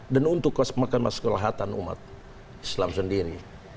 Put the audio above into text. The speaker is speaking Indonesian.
dan untuk kemaskulahatan umat islam sendiri